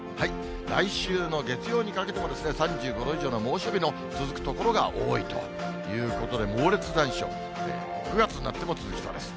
来週の月曜にかけても３５度以上の猛暑日の続く所が多いということで、猛烈残暑、９月になっても続きそうです。